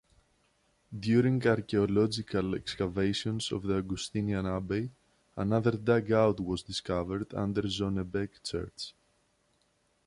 During archaeological excavations of the Augustinian abbey, another dugout was discovered under Zonnebeke church.